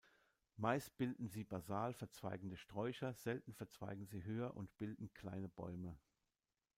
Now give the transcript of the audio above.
Meist bilden sie basal verzweigende Sträucher, selten verzweigen sie höher und bilden kleine Bäume.